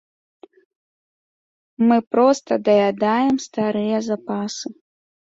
Мы проста даядаем старыя запасы.